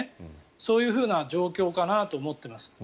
そういうふうな状況かなと思っています。